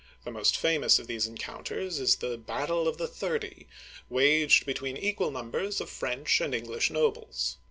The most famous of these encounters is the " Battle of the Thirty," waged between equal numbers of French and English nobles.